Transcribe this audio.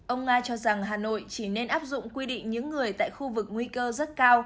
ông nga cho rằng hà nội chỉ nên áp dụng quy định những người tại khu vực nguy cơ rất cao